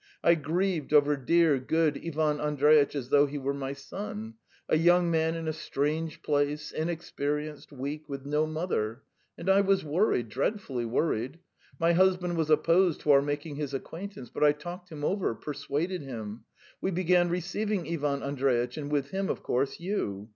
I grieved over dear, good Ivan Andreitch as though he were my son a young man in a strange place, inexperienced, weak, with no mother; and I was worried, dreadfully worried. ... My husband was opposed to our making his acquaintance, but I talked him over ... persuaded him. ... We began receiving Ivan Andreitch, and with him, of course, you.